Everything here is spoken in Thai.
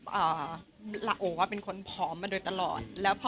อ๋อวลว่าเป็นคนผอมมาเดียวตลอด